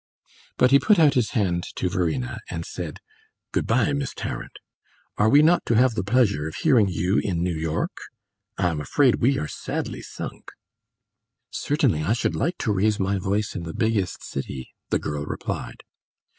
But he put out his hand to Verena and said, "Good bye, Miss Tarrant; are we not to have the pleasure of hearing you in New York? I am afraid we are sadly sunk." "Certainly, I should like to raise my voice in the biggest city," the girl replied.